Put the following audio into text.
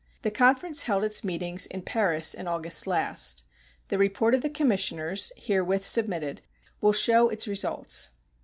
The conference held its meetings in Paris in August last. The report of the commissioners, herewith submitted, will show its results.